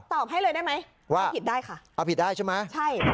ตอบให้เลยได้ไหมว่าเอาผิดได้ค่ะเอาผิดได้ใช่ไหมใช่